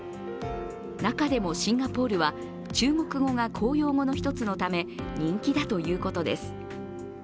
中でもシンガポールは中国語が公用語の一つのため人気だということです。